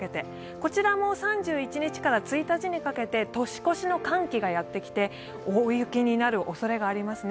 こちらも３１日から１日にかけて年越しの寒気がやってきて大雪になるおそれがありますね。